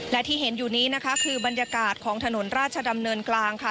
และที่เห็นอยู่นี้นะคะคือบรรยากาศของถนนราชดำเนินกลางค่ะ